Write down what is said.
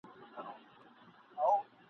چي د ده د ژوند مالي اړتیاوي دي پوره کړي !.